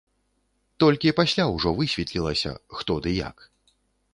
Толькі пасля ўжо высветлілася, хто ды як.